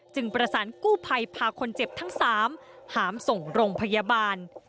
ประสานกู้ภัยพาคนเจ็บทั้ง๓หามส่งโรงพยาบาล